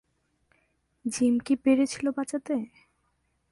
Gym কি পেরেছিল বাঁচাতে?